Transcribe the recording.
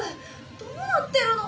どうなってるの？